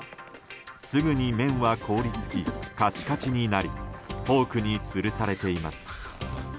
すぐに麺は凍り付きカチカチになりフォークにつるされています。